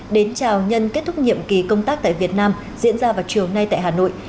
đến chào nhân kết thúc nhiệm kỳ công tác tại việt nam diễn ra vào chiều nay tại hà nội